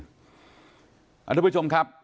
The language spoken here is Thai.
อันดแห่งทุกผู้ชมครับ